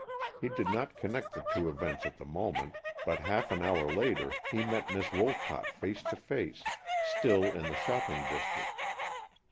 He did not connect the two events at the moment, but half an hour later he met Miss Wolcott face to face, still in the shopping district.